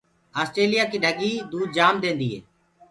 اسٽيليِآ ڪي ڍڳي دود جآم ديندي هي۔